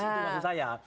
itu yang saya